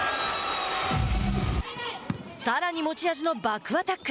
さらに持ち味のバックアタック。